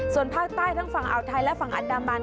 ส่วนภาคใต้ทั้งฝั่งอ่าวไทยและฝั่งอันดามัน